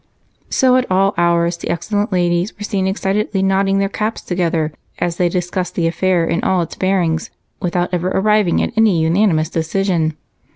So at all hours the excellent ladies were seen excitedly nodding their caps together as they discussed the affair in all its bearings, without ever arriving at any unanimous decision.